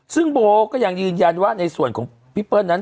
ซึ่งโบก็ยังยืนยันว่าในส่วนของพี่เปิ้ลนั้น